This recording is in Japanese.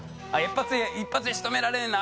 「一発で仕留められねえな。